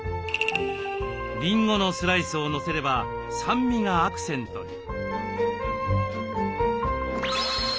りんごのスライスをのせれば酸味がアクセントに。